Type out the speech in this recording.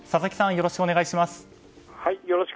よろしくお願いします。